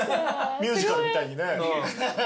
ミュージカルみたいにね。